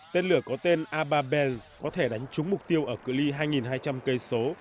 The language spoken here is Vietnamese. tên lửa có tên ababel có thể đánh trúng mục tiêu ở cự li hai hai trăm linh cây số